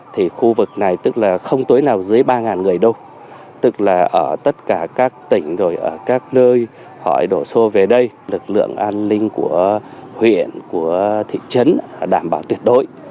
thì khu vực này tức là không tối nào dưới ba người đâu tức là ở tất cả các tỉnh rồi ở các nơi họ đổ xô về đây lực lượng an ninh của huyện của thị trấn đảm bảo tuyệt đối